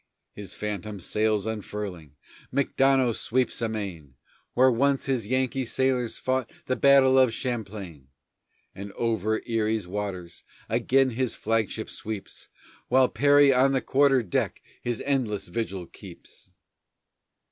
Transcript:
His phantom sails unfurling McDonough sweeps amain Where once his Yankee sailors fought The battle of Champlain! And over Erie's waters, Again his flagship sweeps, While Perry on the quarter deck His endless vigil keeps.